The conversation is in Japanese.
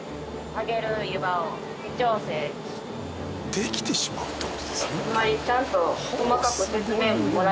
できてしまうって事ですね。